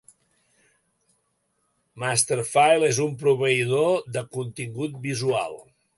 Masterfile és un proveïdor de contingut visual.